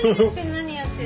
何やってるの？